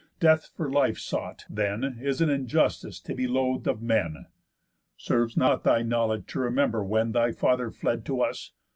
Death for life sought, then, Is an injustice to be loath'd of men. Serves not thy knowledge to remember when Thy father fled to us?